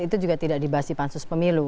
itu juga tidak dibahas di pansus pemilu